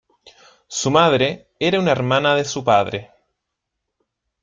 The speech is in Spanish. Su madre era una hermana de su padre.